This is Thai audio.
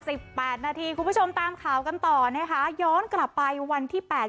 แปดนาทีคุณผู้ชมตามข่าวกันต่อนะคะย้อนกลับไปวันที่แปด